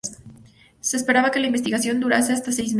Se esperaba que la investigación durase hasta seis meses.